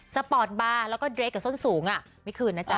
สปอร์ตบาร์แล้วก็เดรกับส้นสูงไม่คืนนะจ๊